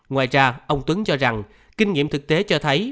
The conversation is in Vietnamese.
ngoài ra ông tuấn cho rằng kinh nghiệm thực tế cho thấy